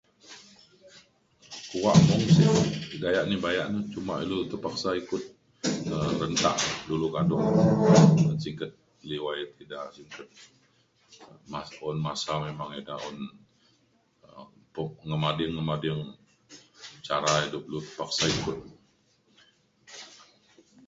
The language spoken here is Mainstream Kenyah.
kuak mung silung ida yak ni bayak ne cuma ilu terpaksa ikut um [unintelligible] dulu kado singget singget liwai ida [unintelligible] mas- un masa memang ida un um tuk meng ading meng ading cara ilu perlu paksa ikut